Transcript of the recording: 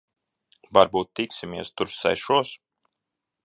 Varbūt tiksimies tur sešos?